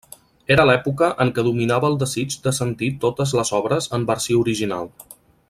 Era l'època en què dominava el desig de sentir totes les obres en versió original.